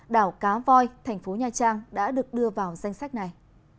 đảo cá voi thành phố nha trang đã được đưa vào danh sách này